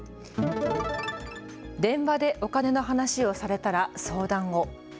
電話でお金の話をされたら相談を。